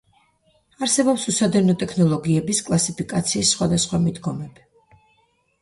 არსებობს უსადენო ტექნოლოგიების კლასიფიკაციის სხვადასხვა მიდგომები.